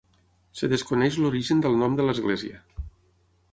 Es desconeix l'origen del nom de l'església.